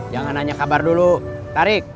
jangan nanya kabar dulu tarik